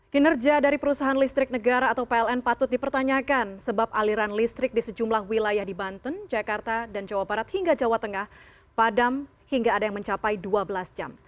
kinerja dari perusahaan listrik negara atau pln patut dipertanyakan sebab aliran listrik di sejumlah wilayah di banten jakarta dan jawa barat hingga jawa tengah padam hingga ada yang mencapai dua belas jam